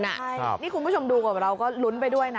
นี่คุณผู้ชมดูกับเราก็ลุ้นไปด้วยนะ